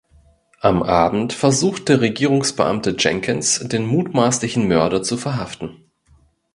Am Abend versucht der Regierungsbeamte Jenkins den mutmaßlichen Mörder zu verhaften.